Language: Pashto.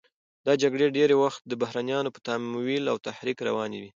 دا جګړې ډېری وخت د بهرنیانو په تمویل او تحریک روانې وې.